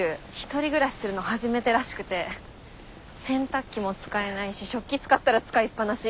１人暮らしするの初めてらしくて。洗濯機も使えないし食器使ったら使いっぱなし。